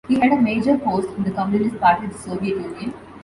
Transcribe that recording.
He had a major post in the Communist Party of the Soviet Union.